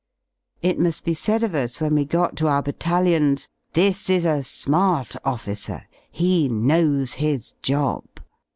It muii be said of us when we got to our battalions: ^^This is a smart officer, he knows hisjoh.